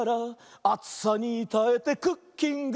「あつさにたえてクッキング」